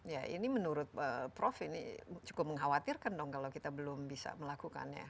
ya ini menurut prof ini cukup mengkhawatirkan dong kalau kita belum bisa melakukannya